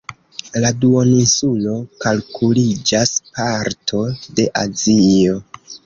La duoninsulo kalkuliĝas parto de Azio.